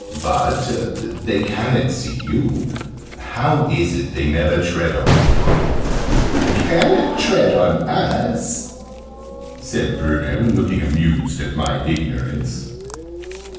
"But they ca'n't see you. How is it they never tread on you?" "Ca'n't tread on us," said Bruno, looking amused at my ignorance.